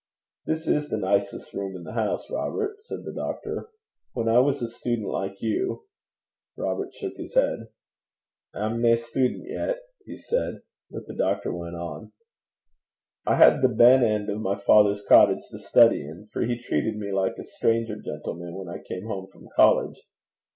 'This is the nicest room in the house, Robert,' said the doctor. 'When I was a student like you ' Robert shook his head, 'I'm nae student yet,' he said; but the doctor went on: 'I had the benn end of my father's cottage to study in, for he treated me like a stranger gentleman when I came home from college.